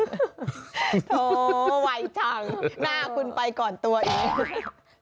โถไหวทั้งหน้าคุณไปก่อนตัวเอง